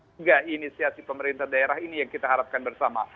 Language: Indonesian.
juga inisiasi pemerintah daerah ini yang kita harapkan bersama